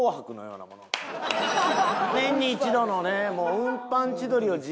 年に一度のね。